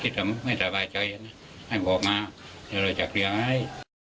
ที่จะไม่สบายใจให้บอกมาจะจัดเรียงให้